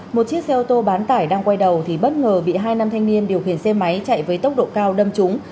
một chiếc xe ô tô bán tải đang quay đầu thì bất ngờ bị hai nam thanh niên điều khiển xe máy chạy với tốc độ cao đâm trúng